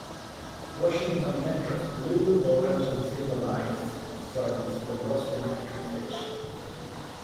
Washington Metro's Blue, Orange, and Silver Lines service the Rosslyn Metro station.